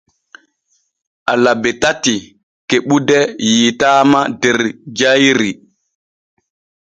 Alabe tati kebude yiitaama der jayri.